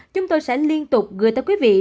chúng tôi sẽ liên tục gửi tới quý vị